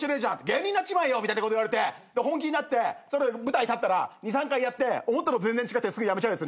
「芸人なっちまえよ」みたいなこと言われて本気になって舞台立ったら２３回やって思ったのと全然違ってすぐ辞めちゃうやつね。